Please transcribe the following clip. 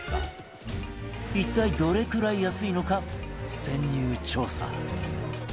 一体どれくらい安いのか潜入調査